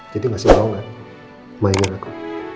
jadi masih tau gak mainan aku